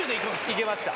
いけました。